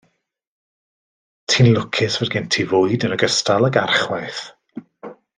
Ti'n lwcus fod gen ti fwyd yn ogystal ag archwaeth.